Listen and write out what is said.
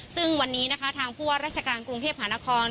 ซึ่งวันนี้นะคะทางผู้ว่าราชการกรุงเทพหานคร